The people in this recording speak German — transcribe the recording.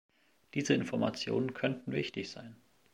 Diese Informationen könnten wichtig sein.